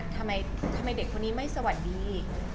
ทำไมเด็กคนนี้ไม่สวัสดี